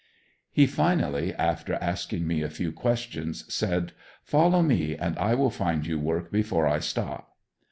He finally, after asking me a few questions, said: "Follow me and I will find you work before I stop."